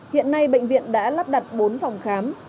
hiện nay bệnh viện đã lắp đặt bốn phòng khám